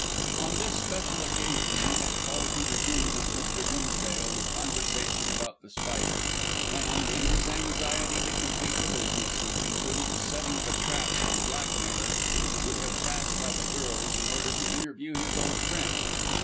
On this special occasion he had called to resume with Mr. Dimsdale the conversation about The Spider, and, in his anxiety to complete the business which included the setting of a trap for the blackmailer would have passed by the girls in order to interview his old friend.